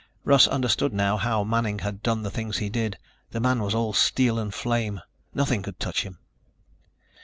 Russ understood now how Manning had done the things he did. The man was all steel and flame. Nothing could touch him.